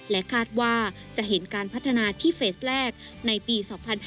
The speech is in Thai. คาดว่าจะเห็นการพัฒนาที่เฟสแรกในปี๒๕๕๙